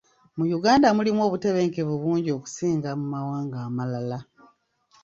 Mu Uganda mulimu obutebenkevu bungi okusinga mu mawanga amalala.